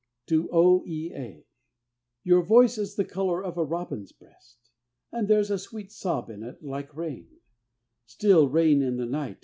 TO O. E. A. Your voice is the color of a robin's breast, And there's a sweet sob in it like rain still rain in the night.